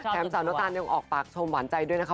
สาวน้ำตาลยังออกปากชมหวานใจด้วยนะคะ